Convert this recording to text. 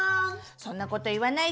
そんなこと言わないで！